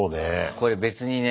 これ別にね